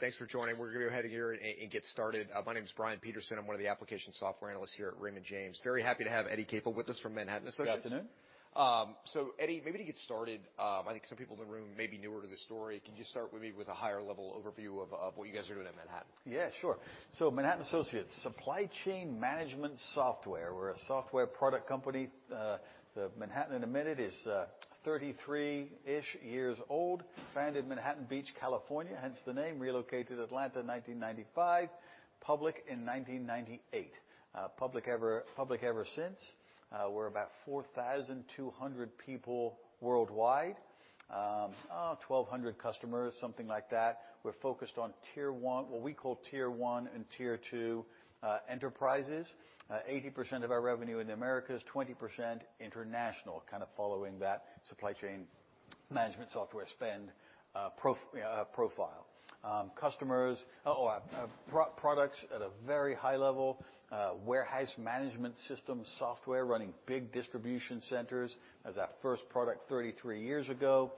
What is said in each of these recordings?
Thanks for joining. We're gonna go ahead here and get started. My name is Brian Peterson. I'm one of the Application Software Analysts here at Raymond James. Very happy to have Eddie Capel with us from Manhattan Associates. Good afternoon. Eddie, maybe to get started, I think some people in the room may be newer to the story. Can you start with me with a higher level overview of what you guys are doing at Manhattan? Yeah, sure. Manhattan Associates, supply chain management software. We're a software product company. Manhattan in a minute is 33-ish years old, founded in Manhattan Beach, California, hence the name. Relocated to Atlanta in 1995. Public in 1998. Public ever since. We're about 4,200 people worldwide. 1,200 customers, something like that. We're focused on what we call tier one and tier two enterprises. 80% of our revenue in the Americas, 20% international, kind of following that supply chain management software spend profile. Products at a very high level, warehouse management system software running big distribution centers as our first product 33 years ago.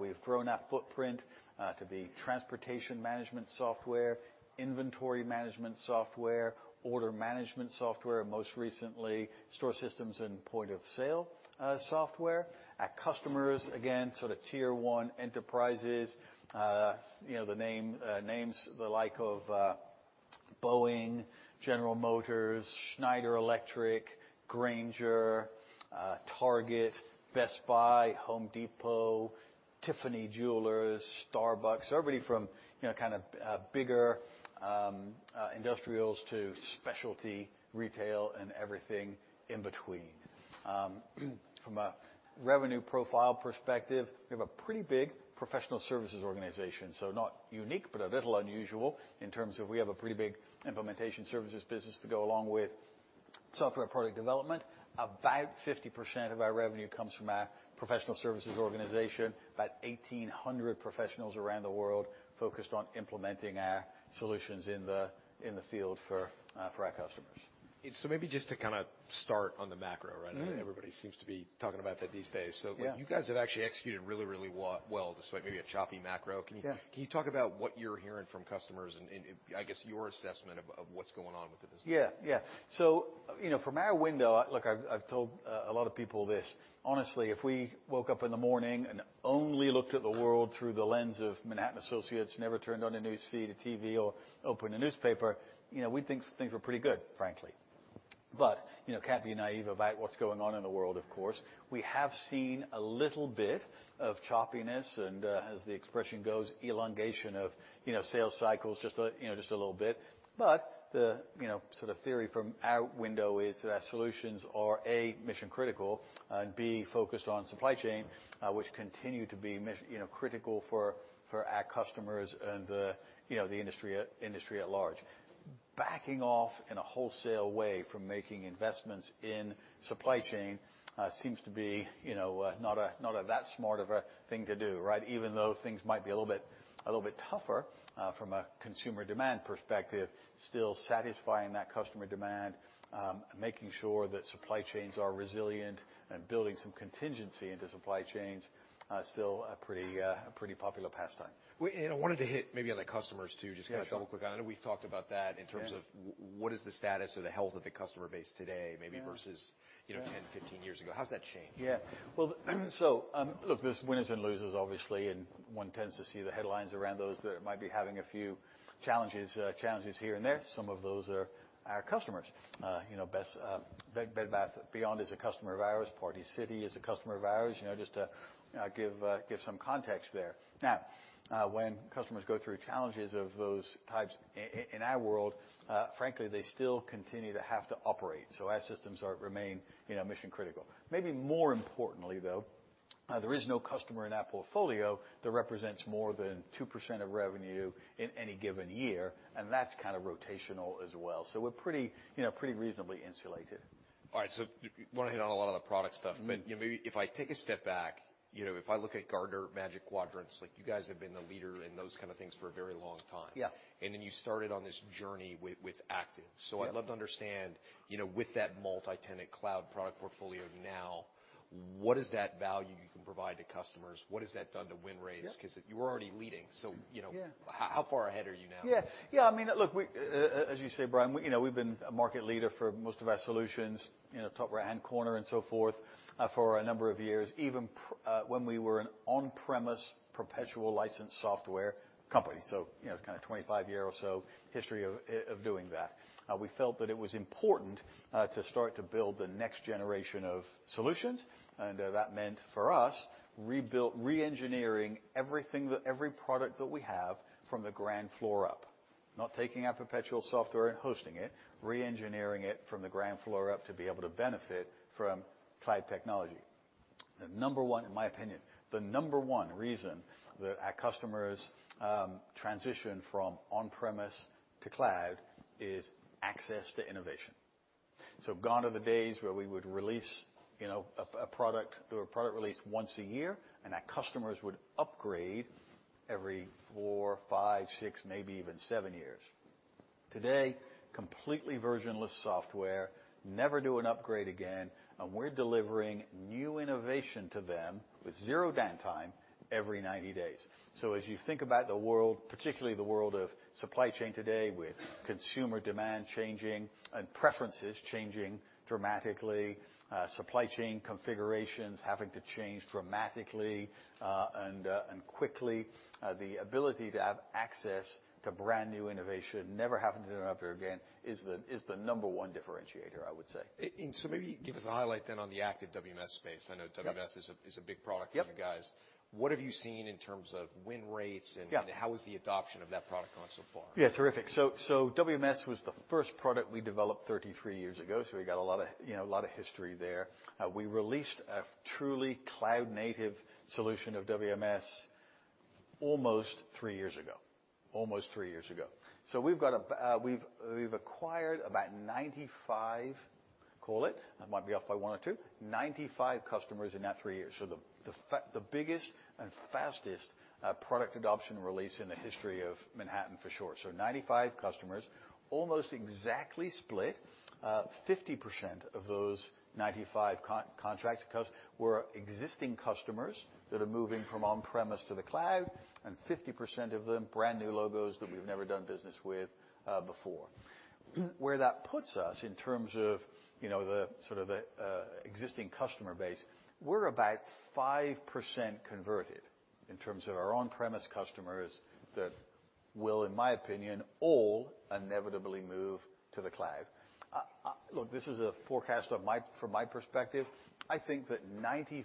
We've grown that footprint to be transportation management software, inventory management software, order management software, and most recently, store systems and point of sale software. Our customers, again, sort of tier one enterprises. You know, the name names the like of Boeing, General Motors, Schneider Electric, Grainger, Target, Best Buy, The Home Depot, Tiffany & Co., Starbucks. Everybody from, you know, kind of bigger industrials to specialty retail and everything in between. From a revenue profile perspective, we have a pretty big professional services organization. Not unique, but a little unusual in terms of we have a pretty big implementation services business to go along with software product development. About 50% of our revenue comes from our professional services organization. About 1,800 professionals around the world focused on implementing our solutions in the field for our customers. Maybe just to kind of start on the macro, right? Mm-hmm. I know everybody seems to be talking about that these days. Yeah. you guys have actually executed really, really well, despite maybe a choppy macro. Yeah. Can you talk about what you're hearing from customers and I guess your assessment of what's going on with the business? You know, from our window, look, I've told a lot of people this. Honestly, if we woke up in the morning and only looked at the world through the lens of Manhattan Associates, never turned on a newsfeed, a TV, or opened a newspaper, you know, we'd think things were pretty good, frankly. You know, can't be naive about what's going on in the world, of course. We have seen a little bit of choppiness and as the expression goes, elongation of, you know, sales cycles just a little bit. The, you know, sort of theory from our window is that our solutions are, A, mission-critical, and B, focused on supply chain, which continue to be critical for our customers and the, you know, the industry at large. Backing off in a wholesale way from making investments in supply chain, seems to be, you know, not a that smart of a thing to do, right? Even though things might be a little bit tougher, from a consumer demand perspective, still satisfying that customer demand, making sure that supply chains are resilient and building some contingency into supply chains, still a pretty popular pastime. I wanted to hit maybe on the customers too, just to kind of double click on it. Yeah, sure. I know we've talked about that in terms of what is the status or the health of the customer base today, maybe versus. Yeah... you know, 10, 15 years ago. How's that changed? Yeah. Well, look, there's winners and losers, obviously, and one tends to see the headlines around those that might be having a few challenges here and there. Some of those are our customers. You know, Bed Bath & Beyond is a customer of ours. Party City is a customer of ours. You know, just to give some context there. When customers go through challenges of those types in our world, frankly, they still continue to have to operate. Our systems remain, you know, mission-critical. Maybe more importantly, though, there is no customer in our portfolio that represents more than 2% of revenue in any given year, and that's kind of rotational as well. We're pretty, you know, pretty reasonably insulated. All right, wanna hit on a lot of the product stuff. Mm-hmm. You know, maybe if I take a step back, you know, if I look at Gartner Magic Quadrants, like you guys have been the leader in those kind of things for a very long time. Yeah. You started on this journey with Active. Yeah. I'd love to understand, you know, with that multi-tenant cloud product portfolio now, what is that value you can provide to customers? What has that done to win rates? Yeah. Cause you were already leading, so, you know. Yeah... how far ahead are you now? Yeah. Yeah, I mean, look, we, as you say, Brian, we, you know, we've been a market leader for most of our solutions, you know, top right-hand corner and so forth, for a number of years, even when we were an on-premise perpetual license software company. You know, it's kind of 25 year or so history of doing that. We felt that it was important to start to build the next generation of solutions, that meant for us re-engineering everything every product that we have from the ground floor up. Not taking our perpetual software and hosting it, re-engineering it from the ground floor up to be able to benefit from cloud technology. The number one, in my opinion, the number one reason that our customers transition from on-premise to cloud is access to innovation. Gone are the days where we would release, you know, a product or do a product release once a year, and our customers would upgrade every four, five, six, maybe even seven years. Today, completely versionless software. Never do an upgrade again, and we're delivering new innovation to them with zero downtime every 90 days. As you think about the world, particularly the world of supply chain today, with consumer demand changing and preferences changing dramatically, supply chain configurations having to change dramatically, and quickly, the ability to have access to brand-new innovation, never having to do an upgrade again is the, is the number one differentiator, I would say. Maybe give us a highlight then on the Active WMS space. Yep. I know WMS is a big product. Yep ...for you guys. What have you seen in terms of win rates- Yeah How has the adoption of that product gone so far? Yeah, terrific. WMS was the first product we developed 33 years ago, so we got a lot of, you know, a lot of history there. We released a truly cloud-native solution of WMS almost three years ago. Almost three years ago. We've acquired about 95, call it, I might be off by one or two, 95 customers in that three years. The biggest and fastest product adoption release in the history of Manhattan for sure. 95 customers, almost exactly split. 50% of those 95 contracts were existing customers that are moving from on-premise to the cloud, and 50% of them brand-new logos that we've never done business with before. Where that puts us in terms of, you know, the sort of the existing customer base, we're about 5% converted in terms of our on-premise customers that will, in my opinion, all inevitably move to the cloud. Look, this is a forecast from my perspective, I think that 95%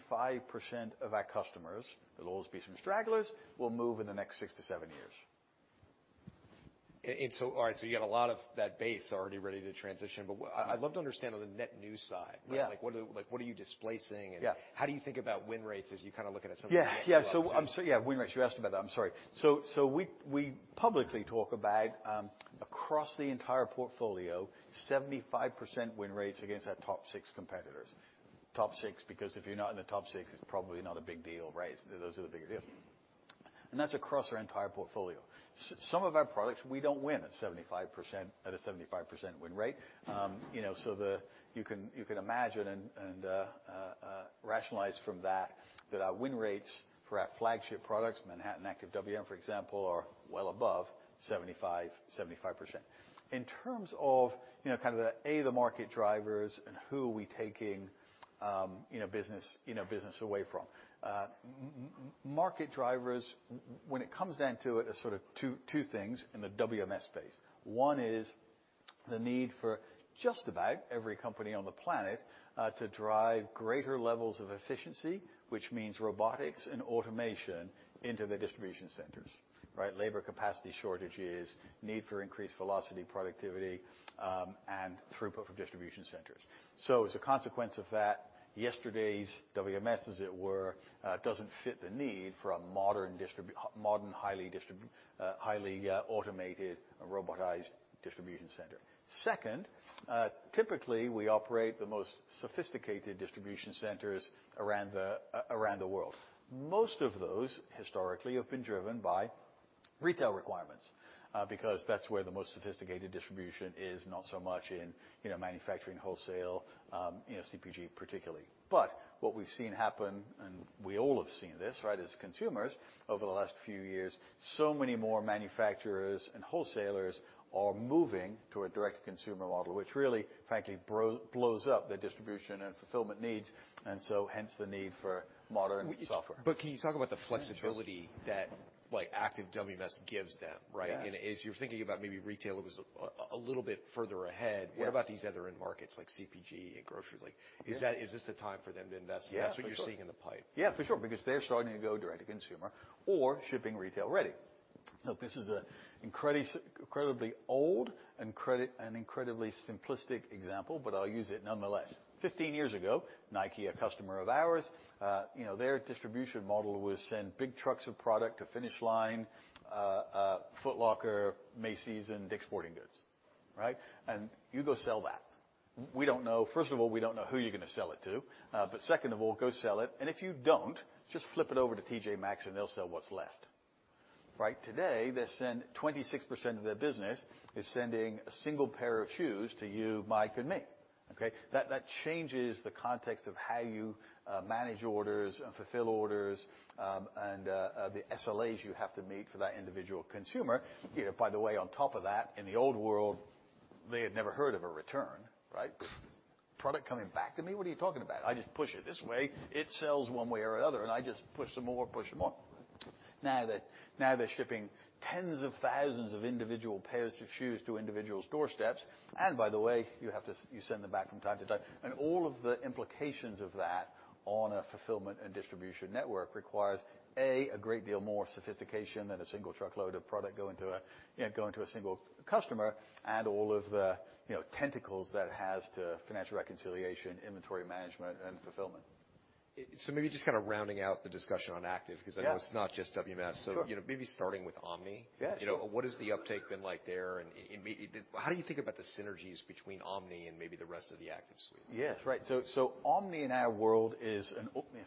of our customers, there'll always be some stragglers, will move in the next six to seven years. All right, so you got a lot of that base already ready to transition. What I'd love to understand on the net new side. Yeah. Like, what are, like, what are you displacing? Yeah. How do you think about win rates as you kind of look at it sometime? Yeah. Win rates, you asked me about that. I'm sorry. We publicly talk about across the entire portfolio, 75% win rates against our top 6 competitors. Top 6, because if you're not in the top 6, it's probably not a big deal, right? Those are the big deals. That's across our entire portfolio. Some of our products we don't win at a 75% win rate. You know, you can imagine and rationalize from that our win rates for our flagship products, Manhattan Active WMS, for example, are well above 75%. In terms of, you know, kind of the, A, the market drivers and who are we taking, you know, business, you know, business away from. Market drivers, when it comes down to it, are sort of two things in the WMS space. One is the need for just about every company on the planet to drive greater levels of efficiency, which means robotics and automation into their distribution centers, right? Labor capacity shortages, need for increased velocity, productivity, and throughput for distribution centers. As a consequence of that, yesterday's WMS, as it were, doesn't fit the need for a modern, highly automated, robotized distribution center. Second, typically, we operate the most sophisticated distribution centers around the world. Most of those historically have been driven by retail requirements, because that's where the most sophisticated distribution is, not so much in, you know, manufacturing, wholesale, CPG particularly. What we've seen happen, and we all have seen this, right, as consumers over the last few years, so many more manufacturers and wholesalers are moving to a direct consumer model, which really, frankly, blows up the distribution and fulfillment needs. Hence the need for modern software. Can you talk about the flexibility that like Active WMS gives them, right? Yeah. As you're thinking about maybe retailers a little bit further ahead... Yeah ...what about these other end markets like CPG and grocery? Like- Yeah ...is that, is this the time for them to invest? Yeah. That's what you're seeing in the pipe. Yeah, for sure, because they're starting to go direct to consumer or shipping retail ready. Look, this is an incredibly old and incredibly simplistic example, but I'll use it nonetheless. 15 years ago, Nike, a customer of ours, you know, their distribution model was send big trucks of product to Finish Line, Foot Locker, Macy's, and Dick's Sporting Goods, right? You go sell that. We don't know. First of all, we don't know who you're going to sell it to. But second of all, go sell it. If you don't, just flip it over to TJ Maxx and they'll sell what's left. Right? Today, they send 26% of their business is sending a single pair of shoes to you, Mike, and me. Okay? That changes the context of how you manage orders and fulfill orders, and the SLAs you have to meet for that individual consumer. You know, by the way, on top of that, in the old world, they had never heard of a return, right? Product coming back to me? What are you talking about? I just push it this way. It sells one way or another, and I just push some more, push some more. Now they're shipping tens of thousands of individual pairs of shoes to individuals' doorsteps. By the way, you have to send them back from time to time. All of the implications of that on a fulfillment and distribution network requires, A, a great deal more sophistication than a single truckload of product going to a, you know, going to a single customer, and all of the, you know, tentacles that has to financial reconciliation, inventory management, and fulfillment. Maybe just kind of rounding out the discussion on Active. Yeah because I know it's not just WMS. Sure. You know, maybe starting with Omni. Yeah, sure. You know, what is the uptake been like there? Maybe how do you think about the synergies between Omni and maybe the rest of the Active suite? Yes. Right. So Omni in our world is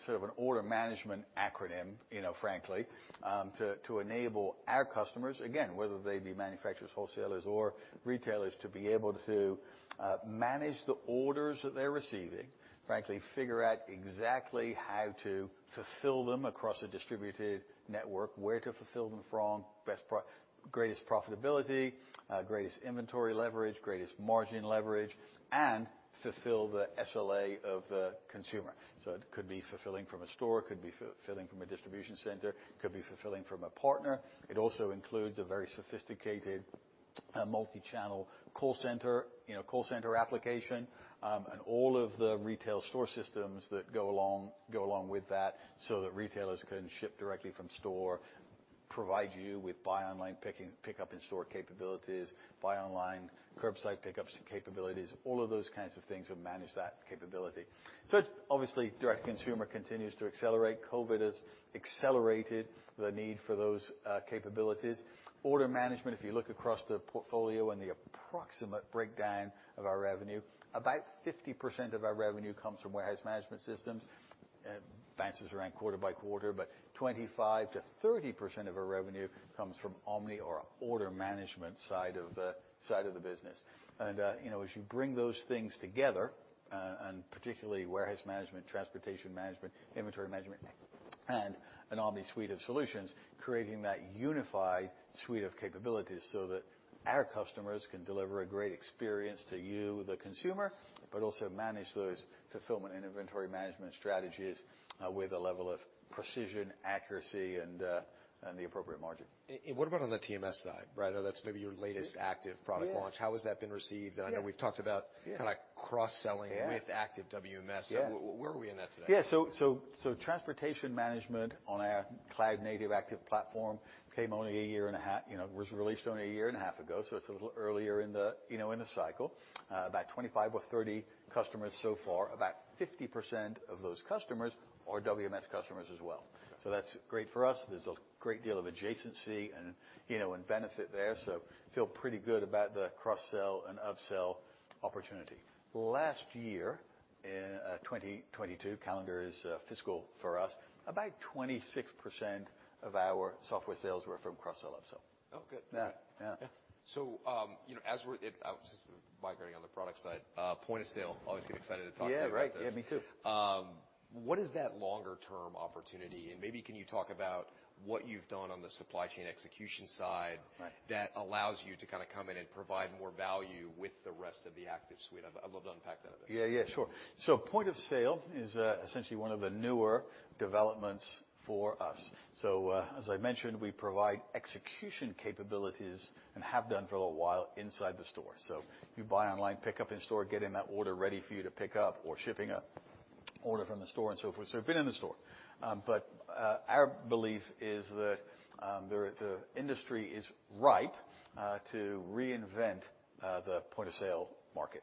sort of an order management acronym, you know, frankly. To enable our customers, again, whether they be manufacturers, wholesalers, or retailers, to be able to manage the orders that they're receiving, frankly, figure out exactly how to fulfill them across a distributed network, where to fulfill them from, greatest profitability, greatest inventory leverage, greatest margin leverage, and fulfill the SLA of the consumer. It could be fulfilling from a store, could be fulfilling from a distribution center, could be fulfilling from a partner. It also includes a very sophisticated multi-channel call center, you know, call center application, and all of the retail store systems that go along with that so that retailers can ship directly from store, provide you with buy online picking, pickup in store capabilities, buy online, curbside pickups and capabilities, all of those kinds of things that manage that capability. It's obviously direct consumer continues to accelerate. COVID has accelerated the need for those capabilities. Order Management, if you look across the portfolio and the approximate breakdown of our revenue, about 50% of our revenue comes from Warehouse Management Systems, bounces around quarter-by-quarter, but 25%-30% of our revenue comes from Omni or Order Management side of the business. You know, as you bring those things together, and particularly Warehouse Management, Transportation Management, Inventory Management, and an Omni suite of solutions, creating that unified suite of capabilities so that our customers can deliver a great experience to you, the consumer, but also manage those fulfillment and Inventory Management strategies, with a level of precision, accuracy, and the appropriate margin. What about on the TMS side? Brad, I know that's maybe your latest Active product launch. Yeah. How has that been received? Yeah. I know we've talked about... Yeah. kinda cross-selling Yeah. with Active WMS. Yeah. Where are we in that today? Yeah. Transportation Management on our cloud native Active platform came only a year and a half, you know, was released only a year and a half ago, so it's a little earlier in the, you know, in the cycle. About 25 or 30 customers so far. About 50% of those customers are WMS customers as well. That's great for us. There's a great deal of adjacency and, you know, and benefit there. Feel pretty good about the cross-sell and upsell opportunity. Last year, in 2022, calendar is fiscal for us, about 26% of our software sales were from cross-sell upsell. Oh, good. Yeah, yeah. You know, as we're migrating on the product side, Point of Sale, obviously excited to talk to you about this. Yeah, right. Yeah, me too. What is that longer term opportunity? Maybe can you talk about what you've done on the supply chain execution side. Right. that allows you to kinda come in and provide more value with the rest of the Active suite? I'd love to unpack that a bit. Yeah, yeah, sure. Point of Sale is essentially one of the newer developments for us. As I mentioned, we provide execution capabilities, and have done for a little while, inside the store. You buy online, pickup in store, getting that order ready for you to pick up or shipping a order from the store and so forth. Been in the store. Our belief is that the industry is ripe to reinvent the Point of Sale market,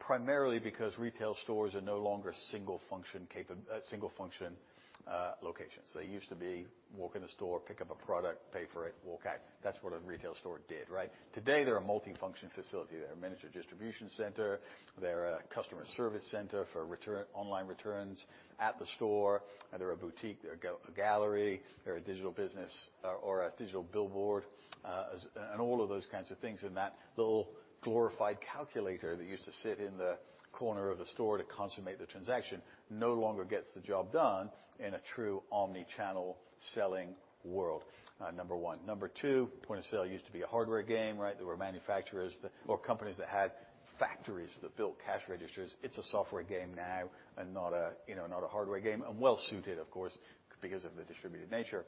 primarily because retail stores are no longer single function locations. They used to be walk in the store, pick up a product, pay for it, walk out. That's what a retail store did, right? Today, they're a multifunction facility. They're a miniature distribution center, they're a customer service center for return, online returns at the store, they're a boutique, they're a gallery, they're a digital business or a digital billboard. All of those kinds of things in that little glorified calculator that used to sit in the corner of the store to consummate the transaction no longer gets the job done in a true omnichannel selling world, number 1. Number 2, Point of Sale used to be a hardware game, right? There were companies that had factories that built cash registers. It's a software game now and not a, you know, not a hardware game, and well suited, of course, because of the distributed nature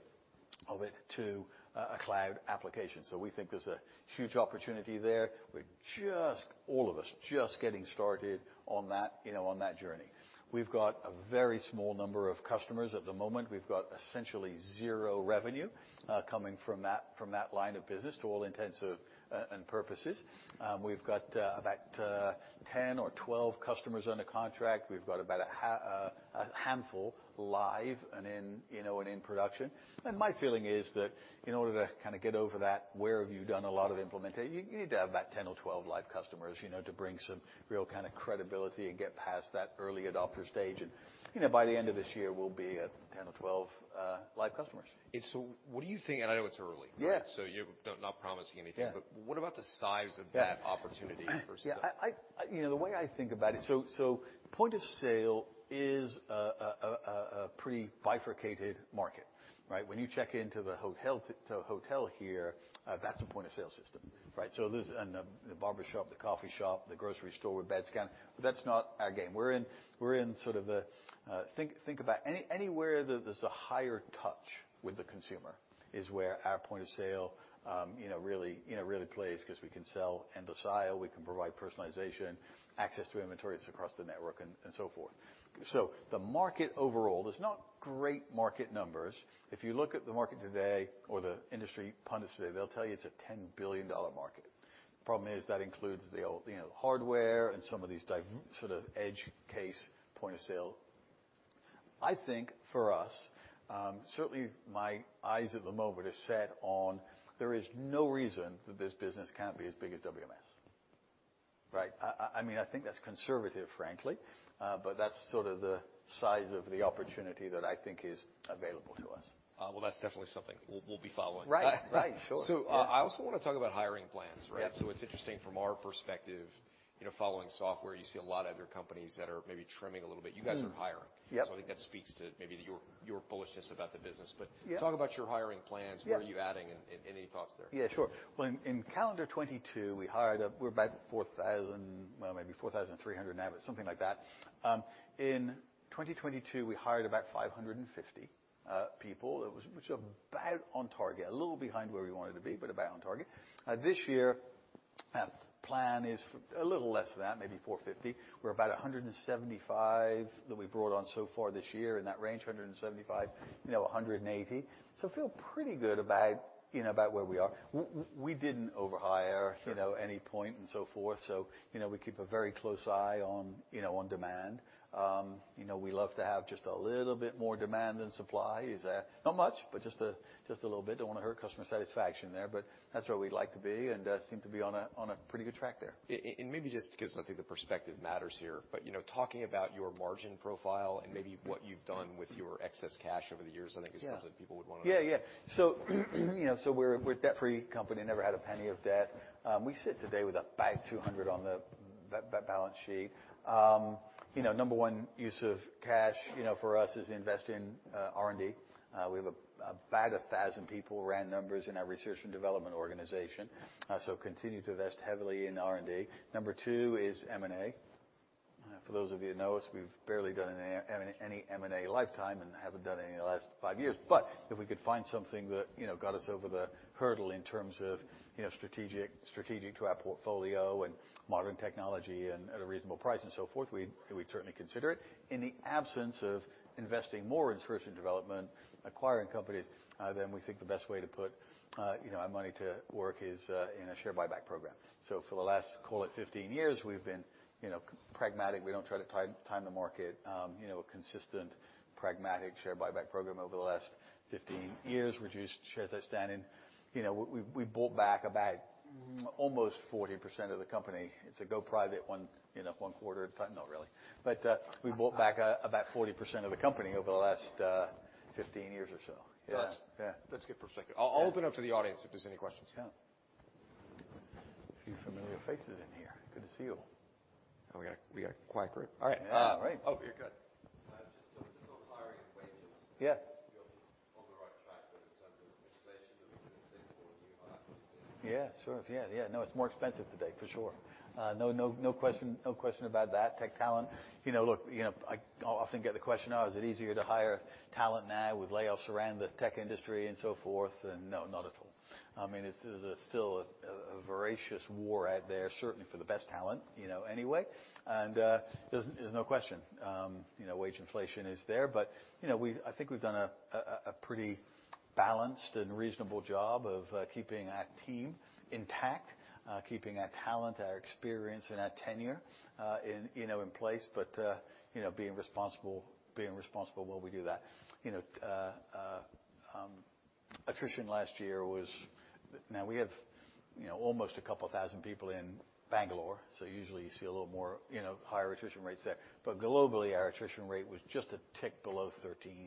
of it to a cloud application. We think there's a huge opportunity there. We're just, all of us, just getting started on that, you know, on that journey. We've got a very small number of customers at the moment. We've got essentially zero revenue coming from that, from that line of business to all intents and purposes. We've got about 10 or 12 customers under contract. We've got about a handful live and in, you know, and in production. My feeling is that in order to kind of get over that, where have you done a lot of the implementation, you need to have that 10 or 12 live customers, you know, to bring some real kind of credibility and get past that early adopter stage. You know, by the end of this year, we'll be at 10 or 12 live customers. What do you think, and I know it's early, right? Yeah. You're not promising anything. Yeah. What about the size of that opportunity versus? Yeah. You know, the way I think about it. Point of Sale is a pretty bifurcated market, right? When you check into the hotel, to a hotel here, that's a point of sale system, right? There's the barber shop, the coffee shop, the grocery store with bad scan, but that's not our game. We're in sort of the, think about anywhere that there's a higher touch with the consumer is where our point of sale, really plays 'cause we can sell end of aisle, we can provide personalization, access to inventories across the network and so forth. The market overall, there's not great market numbers. If you look at the market today or the industry pundits today, they'll tell you it's a $10 billion market. The problem is that includes the old, you know, hardware and some of these sort of edge case point of sale. I think for us, certainly my eyes at the moment are set on there is no reason that this business can't be as big as WMS. Right. I mean, I think that's conservative, frankly. That's sort of the size of the opportunity that I think is available to us. Well, that's definitely something we'll be following. Right. Right. Sure. Yeah. I also wanna talk about hiring plans, right? Yeah. It's interesting from our perspective, you know, following software, you see a lot of other companies that are maybe trimming a little bit. Mm-hmm. You guys are hiring. Yeah. I think that speaks to maybe to your bullishness about the business. Yeah. Talk about your hiring plans. Yeah. What are you adding, any thoughts there? In calendar 2022, we hired, we're about 4,000... maybe 4,300 now, but something like that. 2022, we hired about 550 people. It was about on target, a little behind where we wanted to be, but about on target. This year, our plan is a little less than that, maybe 450. We're about 175 that we brought on so far this year in that range, 175, you know, 180. Feel pretty good about, you know, about where we are. We didn't overhire. Sure ...you know, any point and so forth. You know, we keep a very close eye on, you know, on demand. You know, we love to have just a little bit more demand than supply. It's not much, but just a little bit. Don't wanna hurt customer satisfaction there, but that's where we'd like to be, and seem to be on a pretty good track there. Maybe just 'cause I think the perspective matters here. You know, talking about your margin profile and maybe what you've done with your excess cash over the years, I think is something people would wanna know. Yeah. Yeah, yeah. you know, we're a debt-free company, never had a penny of debt. We sit today with about $200 on the balance sheet. You know, number one use of cash, you know, for us is invest in R&D. We have about 1,000 people, round numbers, in our research and development organization. So continue to invest heavily in R&D. Number two is M&A. For those of you who know us, we've barely done any M&A lifetime and haven't done any in the last 5 years. But if we could find something that, you know, got us over the hurdle in terms of, you know, strategic to our portfolio and modern technology and at a reasonable price and so forth, we'd certainly consider it. In the absence of investing more in research and development, acquiring companies, then we think the best way to put, you know, our money to work is in a share buyback program. For the last, call it 15 years, we've been, you know, pragmatic. We don't try to time the market. You know, a consistent pragmatic share buyback program over the last 15 years, reduced shares outstanding. You know, we bought back about almost 40% of the company. It's a go private one, you know, 1 quarter at a time. Not really. We bought back about 40% of the company over the last 15 years or so. Yeah. That's- Yeah. That's good perspective. Yeah. I'll open up to the audience if there's any questions. Yeah. A few familiar faces in here. Good to see you. We got a quiet group. All right. Oh, you're good. Just on hiring and wages. Yeah. You're on the right track, but in terms of inflation that we've been seeing for new hires. Yeah. Sure. Yeah. Yeah. No, it's more expensive today, for sure. No question about that. Tech talent. You know, look, you know, I'll often get the question, oh, is it easier to hire talent now with layoffs around the tech industry and so forth? No, not at all. I mean, it's still a voracious war out there, certainly for the best talent, you know, anyway. There's no question. You know, wage inflation is there. You know, I think we've done a pretty balanced and reasonable job of keeping our team intact, keeping our talent, our experience, and our tenure, in, you know, in place. You know, being responsible while we do that. You know, attrition last year was... We have, you know, almost a couple thousand people in Bangalore, so usually you see a little more, you know, higher attrition rates there. Globally, our attrition rate was just a tick below 13%,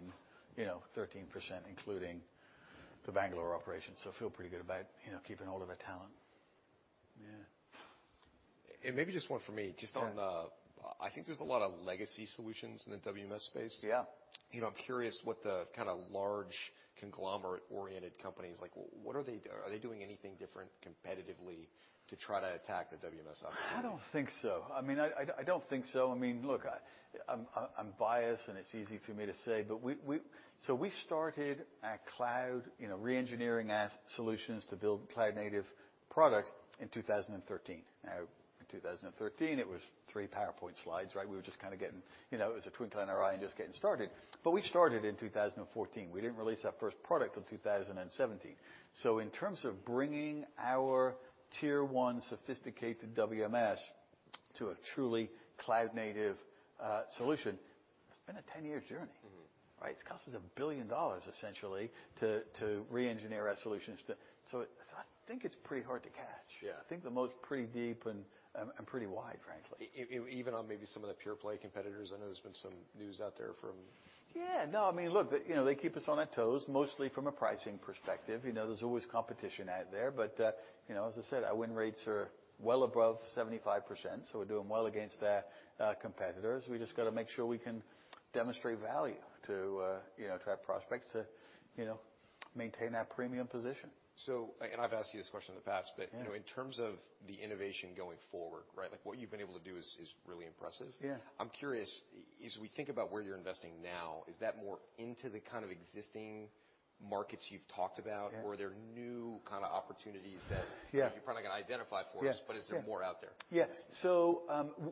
including the Bangalore operations. Feel pretty good about, you know, keeping hold of the talent. Yeah. Maybe just one for me. Yeah. I think there's a lot of legacy solutions in the WMS space. Yeah. You know, I'm curious what the kinda large conglomerate-oriented companies, like Are they doing anything different competitively to try to attack the WMS opportunity? I don't think so. I mean, I don't think so. I mean, look, I'm biased, and it's easy for me to say. We started our cloud, you know, re-engineering our solutions to build cloud-native products in 2013. Now, in 2013, it was three PowerPoint slides, right? We were just kinda getting, you know, it was a twinkle in our eye and just getting started. We started in 2014. We didn't release our first product till 2017. In terms of bringing our tier one sophisticated WMS to a truly cloud-native solution, it's been a 10-year journey. Mm-hmm. Right? It's cost us $1 billion essentially to re-engineer our solutions to. I think it's pretty hard to catch. Yeah. I think the moat's pretty deep and pretty wide, frankly. Even on maybe some of the pure play competitors, I know there's been some news out there from... Yeah. No, I mean, look, you know, they keep us on our toes, mostly from a pricing perspective. You know, there's always competition out there. You know, as I said, our win rates are well above 75%, so we're doing well against our competitors. We just gotta make sure we can demonstrate value to, you know, to our prospects to, you know, maintain that premium position. And I've asked you this question in the past. Yeah. You know, in terms of the innovation going forward, right? Like, what you've been able to do is really impressive. Yeah. I'm curious, as we think about where you're investing now, is that more into the kind of existing markets you've talked about? Yeah. or there new kinda opportunities Yeah that you're probably gonna identify for us. Yeah. Yeah or is there more out there? Yeah.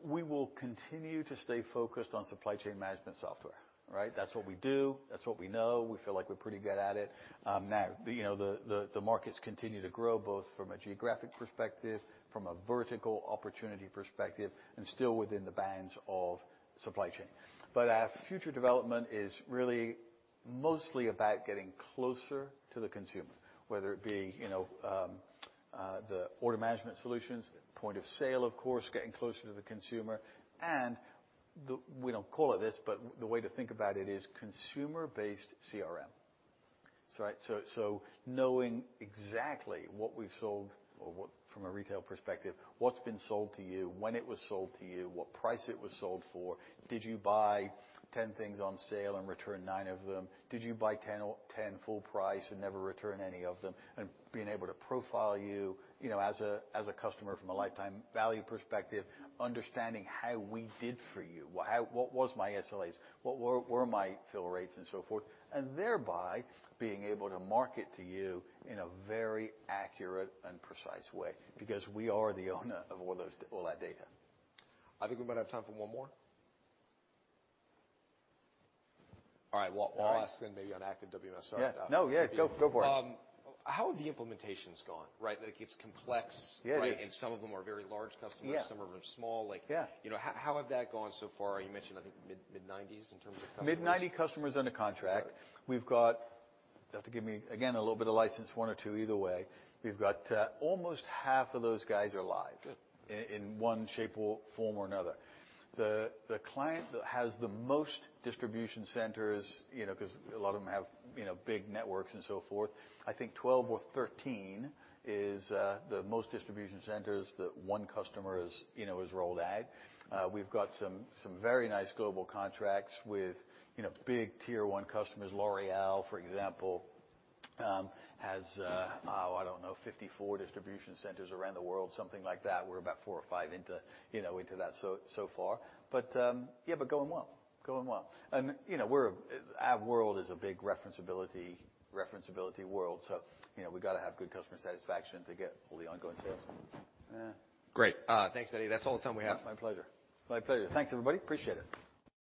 We will continue to stay focused on supply chain management software, right? That's what we do. That's what we know. We feel like we're pretty good at it. Now, you know, the markets continue to grow, both from a geographic perspective, from a vertical opportunity perspective, and still within the bounds of supply chain. Our future development is really mostly about getting closer to the consumer, whether it be, you know, the Order Management Solutions, Point of Sale, of course, getting closer to the consumer. We don't call it this, but the way to think about it is consumer-based CRM. Right. So knowing exactly what we've sold or what from a retail perspective, what's been sold to you, when it was sold to you, what price it was sold for. Did you buy 10 things on sale and return 9 of them? Did you buy 10 full price and never return any of them? Being able to profile you know, as a customer from a lifetime value perspective, understanding how we did for you. What was my SLAs? What were my fill rates and so forth. Thereby, being able to market to you in a very accurate and precise way, because we are the owner of all those, all that data. I think we might have time for one more. All right. Well, I'll ask then maybe on Manhattan Active WMS. Yeah. No, yeah. Go, go for it. How have the implementations gone, right? That it gets complex... Yeah, it is. Right? Some of them are very large customers, Yeah. some of them. Like, Yeah. you know, how has that gone so far? You mentioned, I think mid-90s in terms of customers. Mid-90 customers under contract. All right. We've got. You'll have to give me, again, a little bit of license, one or two either way. We've got, almost half of those guys are live- Good ...in one shape or form or another. The client that has the most distribution centers, you know, 'cause a lot of them have, you know, big networks and so forth. I think 12 or 13 is the most distribution centers that one customer has, you know, has rolled out. We've got some very nice global contracts with, you know, big tier one customers. L'Oréal, for example, has, I don't know, 54 distribution centers around the world, something like that. We're about four or five into, you know, into that so far. Yeah, but going well. You know, our world is a big reference ability world. You know, we gotta have good customer satisfaction to get all the ongoing sales. Yeah. Great. Thanks, Eddie. That's all the time we have. My pleasure. My pleasure. Thanks, everybody. Appreciate it.